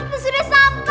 kita sudah sampai